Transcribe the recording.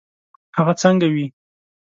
هغه څنګه وي.